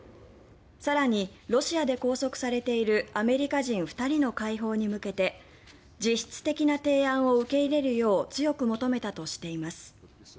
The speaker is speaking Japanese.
更にロシアで拘束されているアメリカ人２人の解放に向けて実質的な提案を受け入れるよう強く求めたとしています。